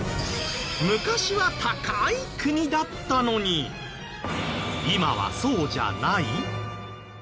昔は高い国だったのに今はそうじゃない？